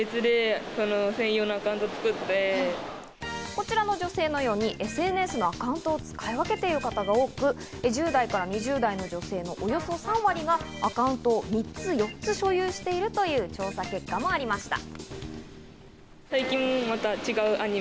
こちらの女性のようにＳＮＳのアカウントを使い分けている方が多く、１０代から２０代の女性のおよそ３割がアカウントを３４つ所有しているという調査結果もありました。